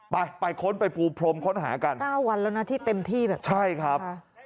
ไปไปค้นไปปูพรมค้นหากันเก้าวันแล้วนะที่เต็มที่แบบใช่ครับ